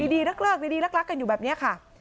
ดีลักอยู่แบบนี้ค่ะ